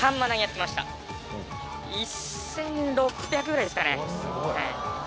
１６００ぐらいですかね。